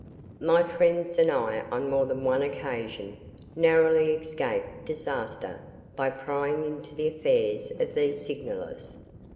My friends and I on more than one occasion narrowly escaped disaster by prying into the affairs of these signalers.